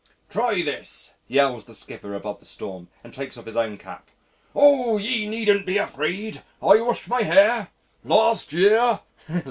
"Try this," yells the skipper above the storm, and takes off his own cap. "Oh! ye needn't be afraid I washed my hair last year."